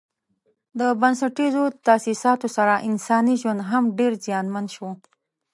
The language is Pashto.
د بنسټیزو تاسیساتو سره انساني ژوند هم ډېر زیانمن شو.